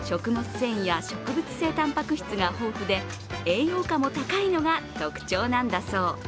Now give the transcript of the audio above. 繊維や植物性たんぱく質が豊富で栄養価も高いのが特徴なんだそう。